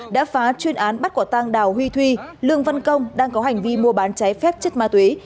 đã phá chuyên án bắt quả tăng đào huy thuy lương văn công đang có hành vi mua bán trái phép chất ma tuế